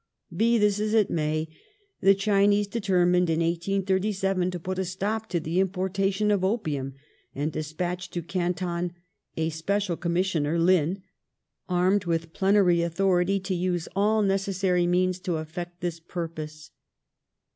Be this as it may, the Chinese determined in 1837 to put a stop to the importation of opium, and despatched to Canton a special Commissioner — Lin — armed with plenary authority to use all neces sary means to effect this purpose.